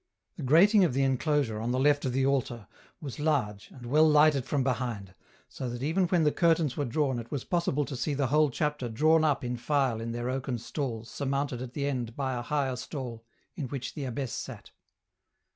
The grating of the enclosure, on the left of the altar, was large, and well lighted from behind, so that even when the curtains were drawn it was possible to see the whole chapter drawn up in tile in their oaken stalls surmounted at the end by a higher stall in which the abbess sat.